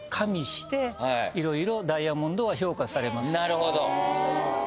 なるほど。